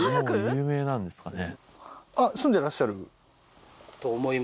有名なんですかね？